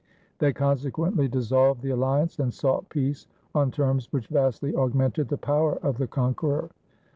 They consequently dissolved the alhance, and sought peace on terms which vastly augmented the power of the conqueror.